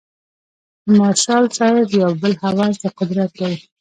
د مارشال صاحب یو بل هوس د قدرت دی.